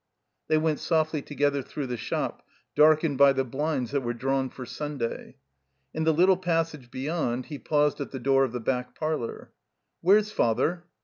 They went softly together through the shop, darkened by the blinds that were drawn for Stmday. In the little passage beyond he paused at the door of the back parlor. "Where's Father?"